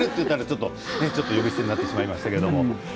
ちょっと呼び捨てになってしまいますけど。